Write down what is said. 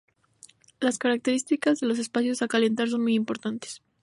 Las características de los espacios a calentar son muy importantes.